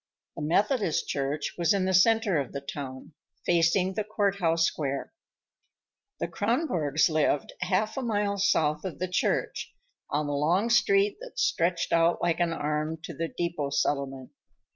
The Methodist Church was in the center of the town, facing the court house square. The Kronborgs lived half a mile south of the church, on the long street that stretched out like an arm to the depot settlement.